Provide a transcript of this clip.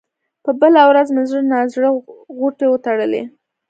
په بله ورځ مې زړه نا زړه غوټې وتړلې.